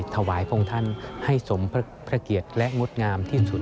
ถวายพระองค์ท่านให้สมพระเกียรติและงดงามที่สุด